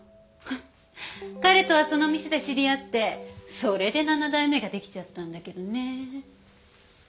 彼とはその店で知り合ってそれで７代目ができちゃったんだけどねえ。